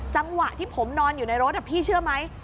จังหวะที่ผมนอนอยู่ในรถพี่เชื่อไหม